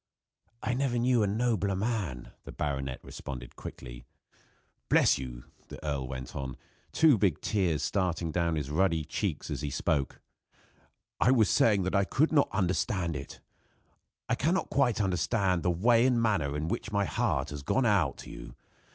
"I never knew a nobler man," the baronet responded quickly. "Bless you!" the earl went on, two big tears starting down his ruddy cheeks as he spoke. "I was saying that I could not understand it. I cannot quite understand the way and manner in which my heart has gone out to you.